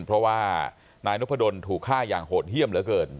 เพราะว่านายนพดลถูกฆ่าอย่างโหดเยี่ยมเหลือเกิน